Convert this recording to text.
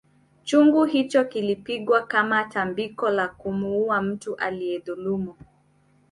Chungu hicho kilipigwa kama tambiko la kumuuwa mtu aliyedhulumu